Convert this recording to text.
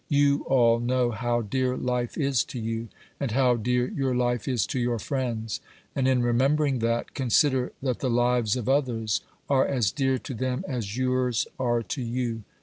You all know how dear life is to you, and how dear your life is to your friends. And in remembering that, consider that the lives of others are as dear to them as yours are to you.